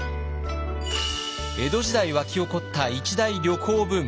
江戸時代沸き起こった一大旅行ブーム。